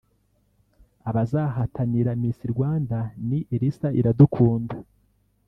abazahatanira Miss Rwanda ni Elsa Iradukunda